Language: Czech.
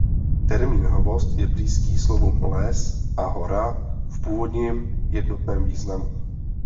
Termín hvozd je blízký slovům "les" a "hora" v původním jednotném významu.